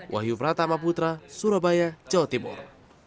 wahyu pratama putra surabaya jawa timur